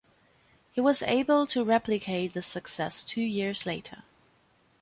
He was able to replicate this success two years later.